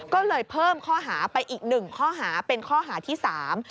ก็เลยเพิ่มข้อหาไปอีกหนึ่งข้อหาเป็นข้อหาที่สาม